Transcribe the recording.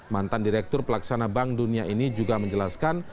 mantan direktur pelaksana bank dunia ini juga menjelaskan